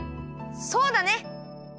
そうだね！